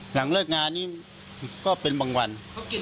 หลังเลิกงานเนี่ยเขาชอบมาซื้อ